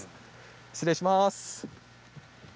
失礼します。